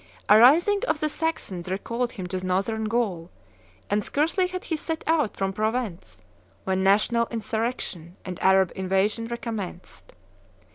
A rising of the Saxons recalled him to Northern Gaul; and scarcely had he set out from Provence, when national insurrection and Arab invasion recommenced.